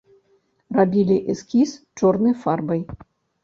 Рабілі эскіз чорнай фарбай.